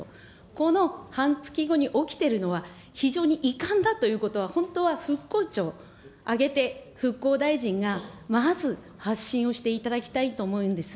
この半月後に起きているのは、非常に遺憾だということは、本当は復興庁挙げて復興大臣がまず、発信をしていただきたいと思うんです。